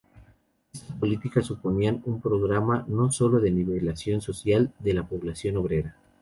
Estas políticas suponían un programa no sólo de nivelación social de la población obrera.